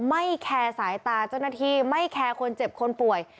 ไม่แคร์สายตาเจ้าหน้าที่ไม่แคร์คนเจ็บคนป่วย